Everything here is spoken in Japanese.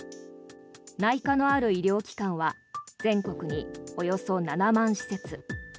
内科のある医療機関は全国におよそ７万施設。